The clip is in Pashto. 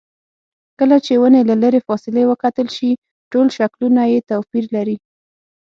کله چې ونې له لرې فاصلې وکتل شي ټول شکلونه یې توپیر لري.